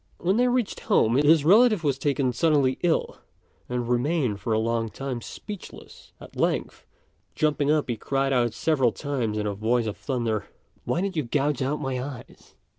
When they reached home, his relative was taken suddenly ill and remained for a long time speechless; at length, jumping up he cried out several times in a voice of thunder, "Why did you gouge out my eyes?"